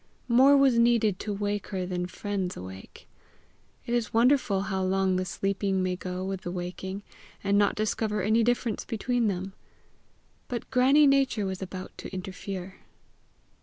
More was needed to wake her than friends awake. It is wonderful how long the sleeping may go with the waking, and not discover any difference between them. But Grannie Nature was about to interfere.